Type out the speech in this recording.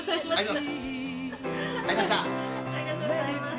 ありがとうございます。